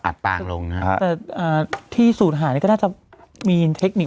อับปางลงครับฮะแต่อ่าที่สูดหวานนี้ก็น่าจะมีเทคนิค